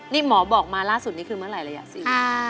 นี่หมอบอกมาล่าสุดนี้คือเมื่อไหร่ระยะสิ